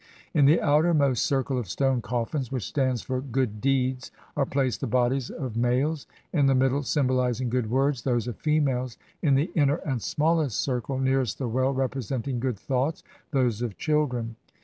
In the outermost circle of stone coffins, which stands for "good deeds," are placed the bodies of males; in the middle, symboHzing "good words," those of females; in the inner and smallest circle, nearest the well, representing "good thoughts," those of children.